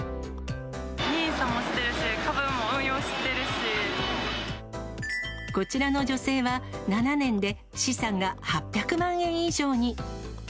ＮＩＳＡもしてるし、株も運こちらの女性は、７年で資産が８００万円以上に。